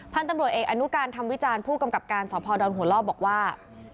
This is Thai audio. พันธุ์ตำรวจเอกอนุการทำวิจารณ์ผู้กำกับการสพดอนหัวล่อบอกว่า